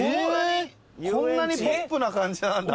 こんなにポップな感じなんだ。